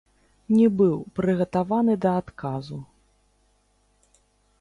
Не быў прыгатаваны да адказу.